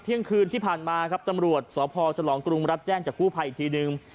เที่ยงคืนที่ผ่านมาครับตำรวจสพฉลองกรุงรับแจ้งจากกู้ภัยอีกทีนึง